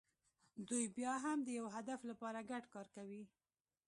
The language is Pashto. دوی بیا هم د یوه هدف لپاره ګډ کار کوي.